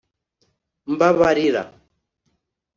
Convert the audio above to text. Mbabarira